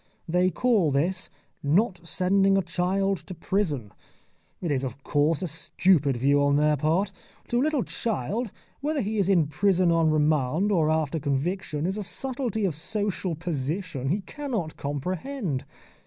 They call this "not sending a child to prison." It is, of course, a stupid view on their part. To a little child, whether he is in prison on remand or after conviction, is a subtlety of social position he cannot comprehend.